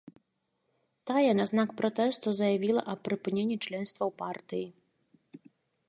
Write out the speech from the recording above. Тая на знак пратэсту заявіла аб прыпыненні членства ў партыі.